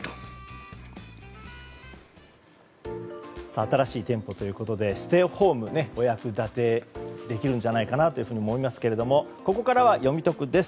新しい店舗ということでステイホームにお役立てできるんじゃないかと思いますがここからは、よみトクです。